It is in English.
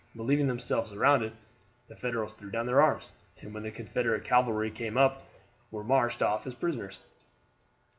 Believing themselves surrounded, the Federals threw down their arms, and when the Confederate cavalry came up were marched off as prisoners.